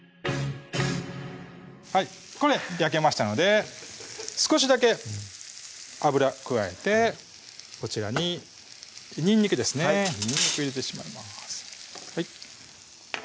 はいこれ焼けましたので少しだけ油加えてこちらににんにくですねにんにく入れてしまいます